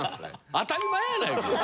当たり前やないか！